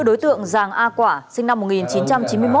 đối tượng giàng a quả sinh năm một nghìn chín trăm chín mươi một